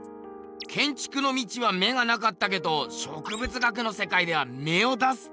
けんちくの道は目がなかったけど植物学の世界では芽を出すってことか？